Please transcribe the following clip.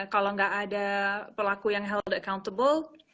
kalau nggak ada pelaku yang health accountable